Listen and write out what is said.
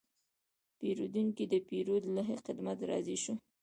پیرودونکی د پیرود له خدمت راضي شو.